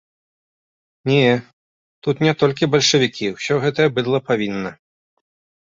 Не, тут не толькі бальшавікі, усё гэтае быдла павінна.